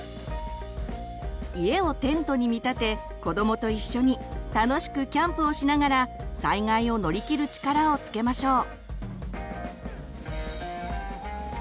家をテントに見立て子どもと一緒に楽しくキャンプをしながら災害を乗り切る力をつけましょう。